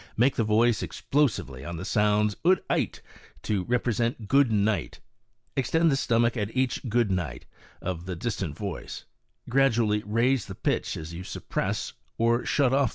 Make the voice explosively on the sounds ood ight, to represent " good night." Extend the stomach at each "good night" of the dis tant voice j gradually raise the pitch as you suppress or shut off AND VOCAL ILLUSIONS.